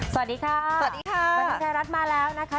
สวัสดีค่ะสวัสดีค่ะบรรทึงไทยรัฐมาแล้วนะคะ